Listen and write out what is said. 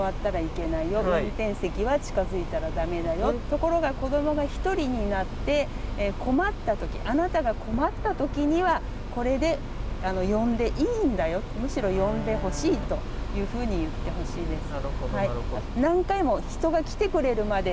ところが子どもが１人になって困ったとき、あなたが困ったときには、これで呼んでいいんだよ、むしろ呼んでほしいというふうに言ってほしいです。